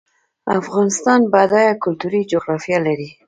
افغانستان بډایه کلتوري جغرافیه لري